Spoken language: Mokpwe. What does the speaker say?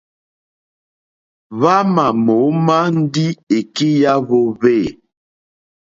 Hwámà mǒmá ndí èkí yá hwōhwê.